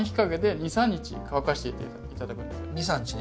２３日ね。